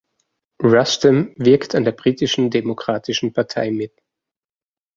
Rustem wirkt an der britischen demokratischen Partei mit.